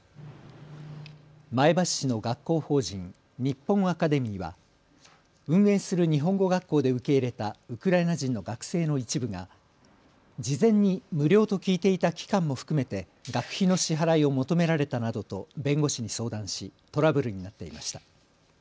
前橋市の学校法人ＮＩＰＰＯＮＡＣＡＤＥＭＹは運営する日本語学校で受け入れたウクライナ人の学生の一部が事前に無料と聞いていた期間も含めて学費の支払いを求められたなどと弁護士に相談しトラブルになっていました。